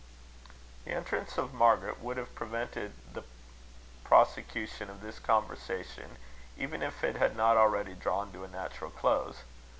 The entrance of Margaret would have prevented the prosecution of this conversation, even if it had not already drawn to a natural close.